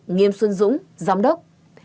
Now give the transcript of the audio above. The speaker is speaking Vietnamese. sáu nghiêm xuân dũng giám đốc